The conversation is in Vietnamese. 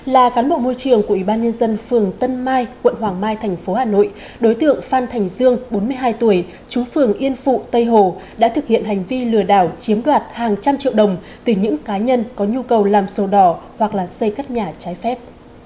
là cán bộ môi trường của ủy ban nhân dân phường tân mai quận hoàng mai thành phố hà nội đối tượng phan thành dương bốn mươi hai tuổi chú phường yên phụ tây hồ đã thực hiện hành vi lừa đảo chiếm đoạt hàng trăm triệu đồng từ những cá nhân có nhu cầu làm sổ đỏ hoặc là xây cất nhà trái phép